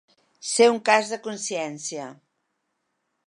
Ser un cas de consciència.